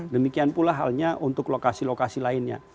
demikian pula halnya untuk lokasi lokasi lainnya